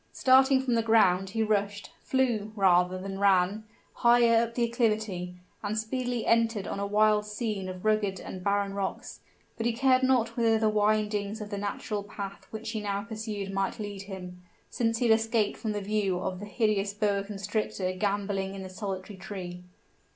Starting from the ground, he rushed flew, rather than ran, higher up the acclivity, and speedily entered on a wild scene of rugged and barren rocks: but he cared not whither the windings of the natural path which he now pursued might lead him, since he had escaped from the view of the hideous boa constrictor gamboling in the solitary tree.